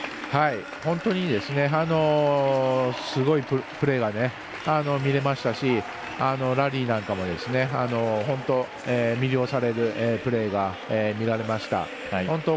本当にすごいプレーが見れましたしラリーなんかも魅了されるプレーが見られました。